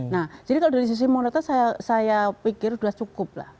nah jadi kalau dari sisi moneter saya pikir sudah cukup lah